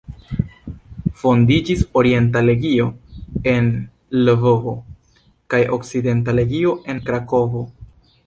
Fondiĝis Orienta Legio en Lvovo kaj Okcidenta Legio en Krakovo.